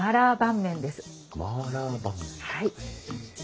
はい。